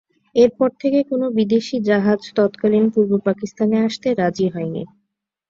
এরপর থেকে কোনো বিদেশি জাহাজ তৎকালীন পূর্ব পাকিস্তানে আসতে রাজি হয় নি।